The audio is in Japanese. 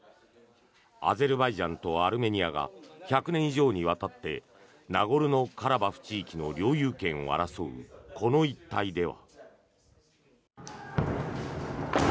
アゼルバイジャンとアルメニアが１００年以上にわたってナゴルノカラバフ地域の領有権を争うこの一帯では。